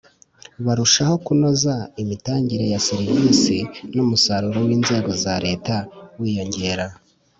barushaho kunoza imitangire ya serivisi n umusaruro w Inzego za Leta wiyongera